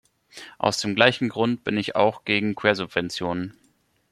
Aus dem gleichen Grund bin ich auch gegen Quersubventionen.